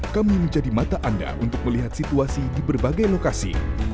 kami menjadi mata anda untuk melihat situasi di berbagai lokasi